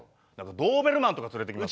ドーベルマンとか連れていきますよ。